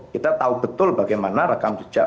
kita tahu betul bagaimana rekam jejak